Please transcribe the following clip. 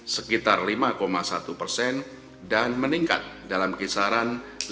sekitar lima satu dan meningkat dalam kisaran lima satu sampai dengan lima lima pada tahun dua ribu dua puluh